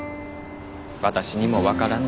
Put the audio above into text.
私にも分からぬ。